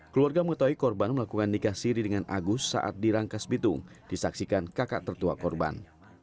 keluarga mengetahui korban melakukan nikah siri dengan agus saat dirangkas bitung disaksikan kakak tertua korban